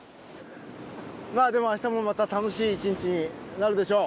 まあでもあしたもまた楽しい１日になるでしょう